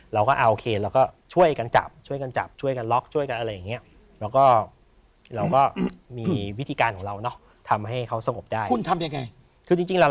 เราก็เอาเครนแล้วก็ช่วยกันจับช่วยกันล็อคช่วยกันอะไรอย่างนี้